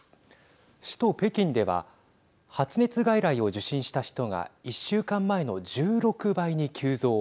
首都北京では発熱外来を受診した人が１週間前の１６倍に急増。